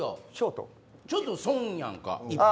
ちょっと損やんか。